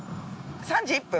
３時１分？